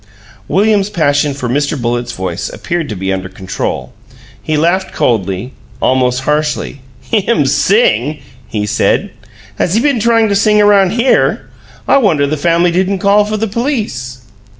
William's passion for Mr. Bullitt's voice appeared to be under control. He laughed coldly, almost harshly. "Him sing?" he said. "Has he been tryin' to sing around HERE? I wonder the family didn't call for the police!"